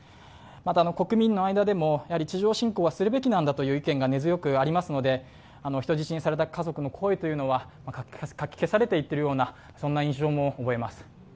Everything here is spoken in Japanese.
また、国民の間でも、地上侵攻はするべきなんだという意見が根強くありますので、人質にされた家族の声はかき消されていっているような印象も覚えます。